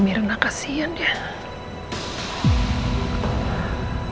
uw arg mengapa si ibu kesana sekarang